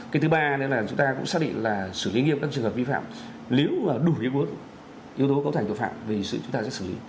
cái thứ ba là chúng ta cũng xác định là xử lý nghiêm các trường hợp vi phạm nếu là đủ nguyên quốc yếu tố cấu thành tội phạm thì chúng ta sẽ xử lý